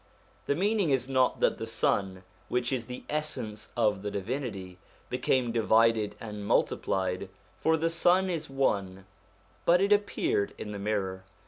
The meaning is not that the Sun, which is the Essence of the Divinity, became divided and multiplied ; for the Sun is one, but it appeared in the mirror.